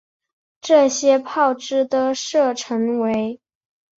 这些炮支的射程为。